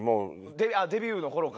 あっデビューの頃か。